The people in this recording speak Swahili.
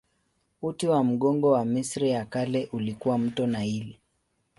Uti wa mgongo wa Misri ya Kale ulikuwa mto Naili.